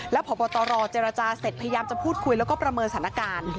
พบตรเจรจาเสร็จพยายามจะพูดคุยแล้วก็ประเมินสถานการณ์